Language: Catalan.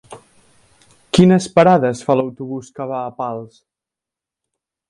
Quines parades fa l'autobús que va a Pals?